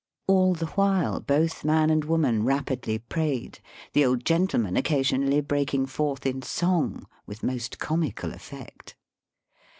All the while both man and woman rapidly prayed, the old gentleman occasionally break ing forth in song, with most comical effect.